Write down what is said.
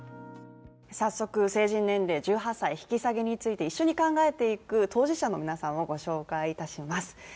早速成人年齢１８歳引き下げについて一緒に考えていく当事者の皆さんをご紹介いたします